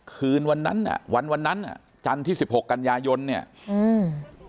คืนวันนั้นอ่ะวันวันนั้นอ่ะจันทร์ที่สิบหกกันยายนเนี้ยอืม